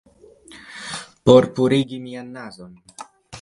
Por purigi mian nazon.